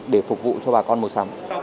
để phục vụ cho bà con mùa sắm